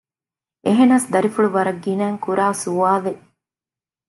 އެހެނަސް ދަރިފުޅު ވަރަށް ގިނައިން ކުރާ ސުވާލެއް